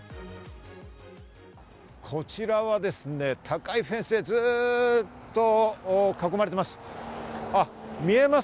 高いフェンスでずっと囲まれています。